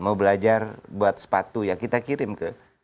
mau belajar buat sepatu ya kita kirim ke